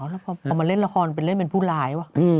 แล้วพอเล่นละครเปล่าเล่นเป็นผู้หลายวะ